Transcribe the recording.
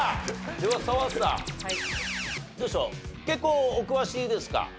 結構お詳しいですか？